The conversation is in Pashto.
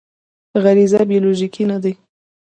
غریزه بیولوژیکي نه دی.